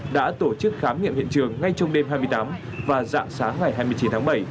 đã tổ chức khám nghiệm hiện trường ngay trong đêm hai mươi tám và dạng sáng ngày hai mươi chín tháng bảy